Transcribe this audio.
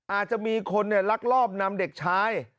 อาจจะมีคนลักลอบนำเด็กชาย